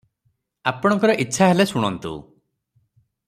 ଆପଣଙ୍କର ଇଚ୍ଛା ହେଲେ ଶୁଣନ୍ତୁ ।